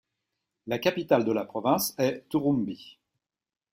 La capitale de la province est Turumbí.